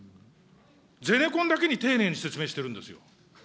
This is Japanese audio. ゼネコンだけに丁寧に説明してるんですよ。